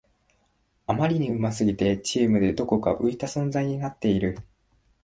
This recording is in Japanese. あまりに上手すぎてチームでどこか浮いた存在になっている